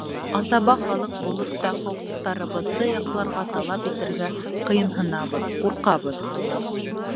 Аҫаба халыҡ булып та, хоҡуҡтарыбыҙҙы яҡларға, талап итергә ҡыйынһынабыҙ, ҡурҡабыҙ.